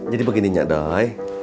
jadi begininya doi